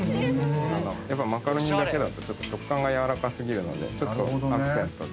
やっぱマカロニだけだと食感がやわらかすぎるのでちょっとアクセントで。